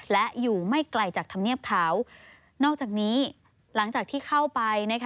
และอยู่ไม่ไกลจากธรรมเนียบเขานอกจากนี้หลังจากที่เข้าไป